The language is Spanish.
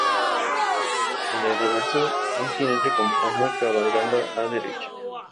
En el reverso, un jinete con palma, cabalgando a derecha.